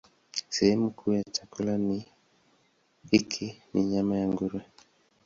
Sehemu kuu ya chakula hiki ni nyama ya nguruwe.